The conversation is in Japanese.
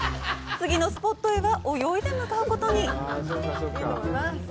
次のスポットへは泳いで向かうことに。